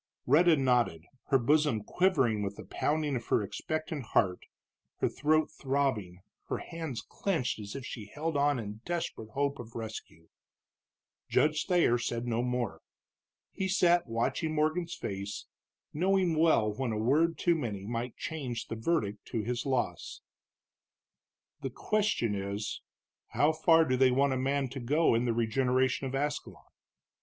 Rhetta nodded, her bosom quivering with the pounding of her expectant heart, her throat throbbing, her hands clenched as if she held on in desperate hope of rescue. Judge Thayer said no more. He sat watching Morgan's face, knowing well when a word too many might change the verdict to his loss. "The question is, how far do they want a man to go in the regeneration of Ascalon?